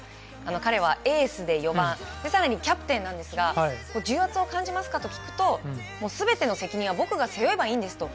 彼は、エースで４番更にキャプテンなんですが重圧を感じますか？と聞くと全ての責任は僕が背負えばいいんですと。